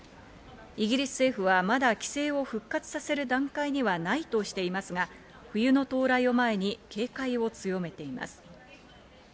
イギリス政府は、まだ規制を復活させる段階にはないとしていますが、冬の到来を前に警戒を強めています。